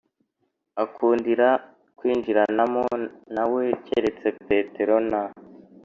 akundira kwinjiranamo na we keretse Petero na